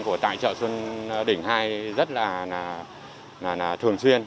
của tại chợ xuân đình ii rất là thường xuyên